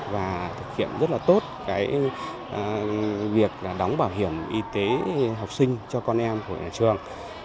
và thực hiện rất là tốt cái việc là đóng bảo hiểm y tế học sinh cho con em của nhà trường